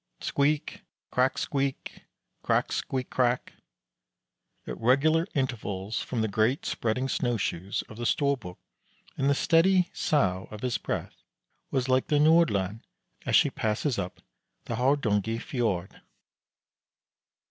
Squeak, crack squeak, crack squeak, crack at regular intervals from the great spreading snow shoes of the Storbuk, and the steady sough of his breath was like the Nordland as she passes up the Hardanger Fjord.